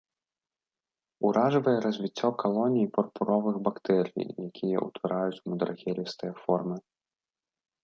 Уражвае развіццё калоній пурпуровых бактэрый, якія ўтвараюць мудрагелістыя формы.